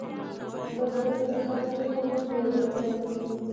بزګر ته هره تخم یو باور دی